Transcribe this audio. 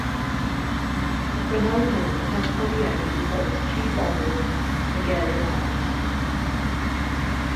Y prynhawn hwnnw helpodd i yrru i ffwrdd tri bomiwr y gelyn arall.